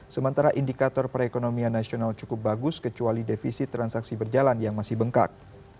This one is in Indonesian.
sementara indikator perekonomian nasional cukup bagus kecuali defisit transaksi berjalan yang masih bengkak